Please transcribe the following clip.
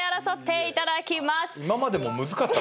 今までもむずかった。